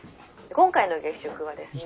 今回の月食はですね」。